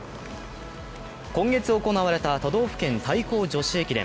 今月行われた都道府県対抗女子駅伝。